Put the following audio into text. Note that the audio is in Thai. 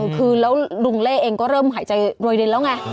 คือแล้วลุงเล่เองก็เริ่มหายใจโรยรินแล้วไง